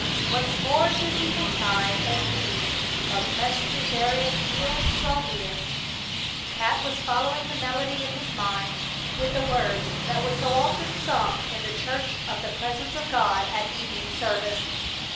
Once more 'tis eventide, and we, Oppressed with various ills, draw near Pat was following the melody in his mind with the words that were so often sung in the Church of the Presence of God at evening service.